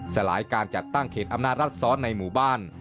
สลายการจัดตั้งเขตอำนาจรัฐซ้อนในหมู่บ้าน